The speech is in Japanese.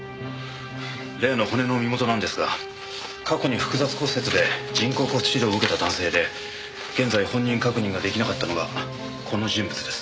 例の骨の身元なんですが過去に複雑骨折で人工骨治療を受けた男性で現在本人確認ができなかったのがこの人物です。